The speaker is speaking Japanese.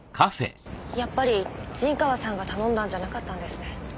やっぱり陣川さんが頼んだんじゃなかったんですね。